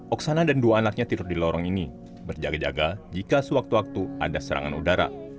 oksana dan dua anaknya tidur di lorong ini berjaga jaga jika sewaktu waktu ada serangan udara